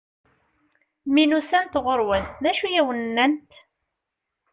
Mi n-usant ɣur-wen, d acu i awen-nnant?